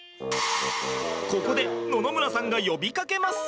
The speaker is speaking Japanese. ここで野々村さんが呼びかけます。